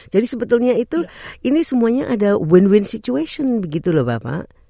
jadi sebetulnya itu ini semuanya ada win win situation begitu lho bapak